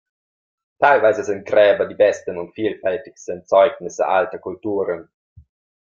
Teilweise sind Gräber die besten und vielfältigsten Zeugnisse alter Kulturen.